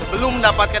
tidak akan kutip kaki